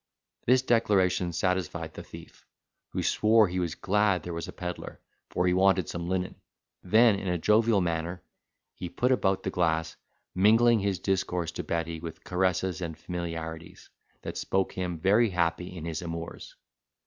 This declaration satisfied the thief, who swore he was glad there was a pedlar, for he wanted some linen. Then, in a jovial manner, he put about the glass, mingling his discourse to Betty with caresses and familiarities, that spoke him very happy in his amours.